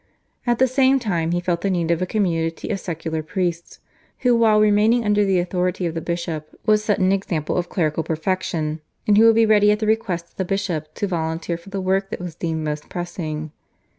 At the same time he felt the need of a community of secular priests, who while remaining under the authority of the bishop would set an example of clerical perfection, and who would be ready at the request of the bishop to volunteer for the work that was deemed most pressing.